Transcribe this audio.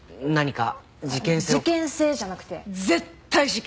事件性じゃなくて絶対事件。